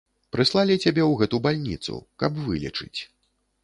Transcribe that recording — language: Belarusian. Прыслалі цябе ў гэту бальніцу, каб вылечыць.